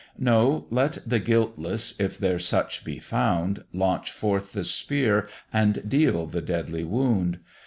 No! let the guiltless, if there such be found, Launch forth the spear, and deal the deadly wound.